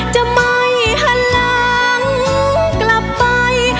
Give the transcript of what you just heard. จะไม่หันหลังกลับไป